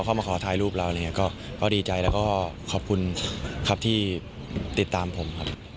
เข้ามาขอถ่ายรูปเราดีใจแล้วก็ขอบคุณครับที่ติดตามผมครับ